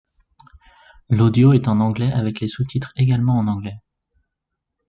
L'audio est en anglais avec les sous-titres également en anglais.